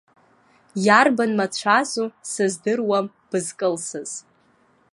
Иарбан мацәазу сыздыруам бызкылсыз.